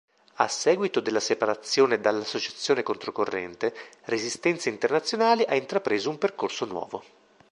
A seguito della separazione dall'Associazione ControCorrente, Resistenze Internazionali ha intrapreso un percorso nuovo.